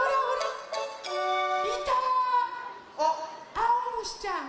あおむしちゃん。